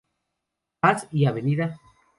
Paz y Av.